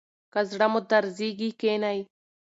که زړه مو درزیږي کښینئ.